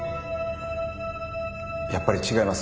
やっぱり違います。